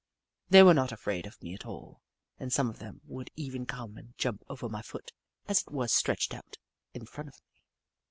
They were not afraid of me at all, and some of them would even come and jump over my foot as it was stretched out in front of me.